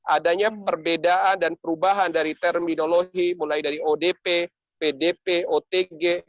adanya perbedaan dan perubahan dari terminologi mulai dari odp pdp otg